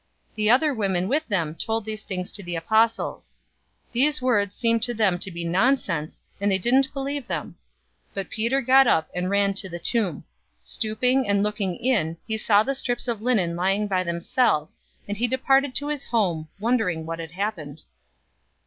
The other women with them told these things to the apostles. 024:011 These words seemed to them to be nonsense, and they didn't believe them. 024:012 But Peter got up and ran to the tomb. Stooping and looking in, he saw the strips of linen lying by themselves, and he departed to his home, wondering what had happened.